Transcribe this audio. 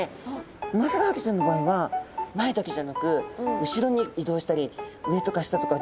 ウマヅラハギちゃんの場合は前だけじゃなく後ろに移動したり上とか下とか自在な泳ぎができるんですね。